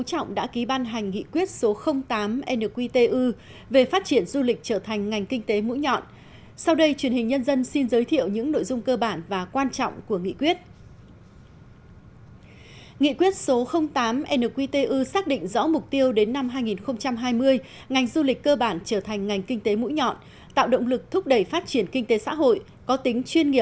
các bạn hãy đăng ký kênh để ủng hộ kênh của chúng mình nhé